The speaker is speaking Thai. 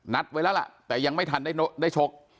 ไว้แล้วล่ะแต่ยังไม่ทันได้ชก